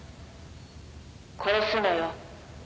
「殺すのよ」